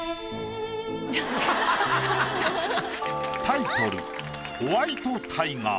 タイトル